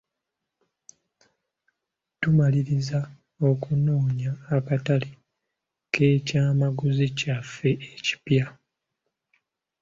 Tumalirizza okunoonya akatale k'ekyamaguzi kyaffe ekipya.